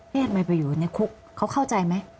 ทำไมไปอยู่ในคุกเขาเข้าใจไหม